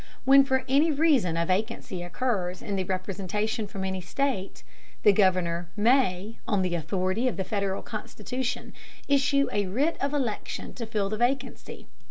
When for any reason a vacancy occurs in the representation from any state, the Governor may, on the authority of the Federal Constitution, issue a writ of election to fill the vacancy.